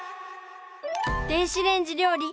電子レンジ料理